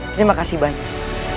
terima kasih banyak